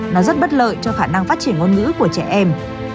nó rất bất lợi cho khả năng phát triển ngôn ngữ của trẻ em